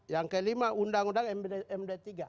yang kelima undang undang md tiga